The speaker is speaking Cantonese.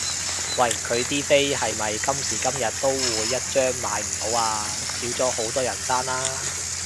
喂佢啲飛係咪今時今日都會一張買唔到啊？少咗好多人爭啦？